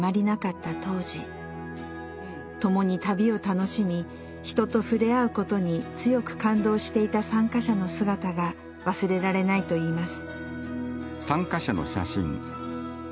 共に旅を楽しみ人と触れ合うことに強く感動していた参加者の姿が忘れられないといいます。